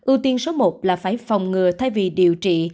ưu tiên số một là phải phòng ngừa thay vì điều trị